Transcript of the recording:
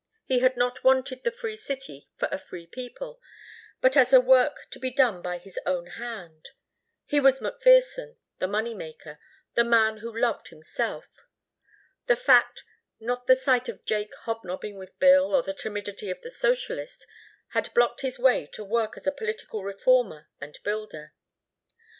He had not wanted the free city for a free people, but as a work to be done by his own hand. He was McPherson, the money maker, the man who loved himself. The fact, not the sight of Jake hobnobbing with Bill or the timidity of the socialist, had blocked his way to work as a political reformer and builder.